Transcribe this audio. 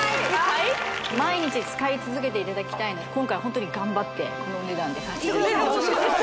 毎日使い続けていただきたいんで今回ホントに頑張ってこのお値段でさせていただきます押します